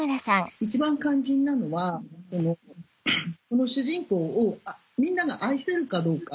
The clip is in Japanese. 一番肝心なのはこの主人公をみんなが愛せるかどうか。